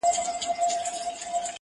زېری مو راباندي ریشتیا سوي مي خوبونه دي-